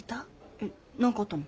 えっ何かあったの？